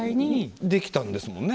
できたんですもんね。